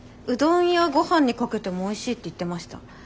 うどんやごはんにかけてもおいしいって言ってました。